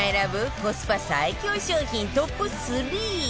コスパ最強商品トップ ３！